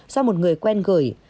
do một người quen gửi